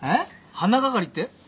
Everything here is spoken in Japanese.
花係って？